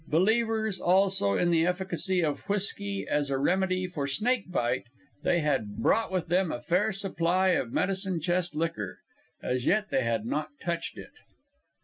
Believers, also, in the efficacy of whisky as a remedy for snake bite, they had brought with them a fair supply of medicine chest liquor. As yet they had not touched it.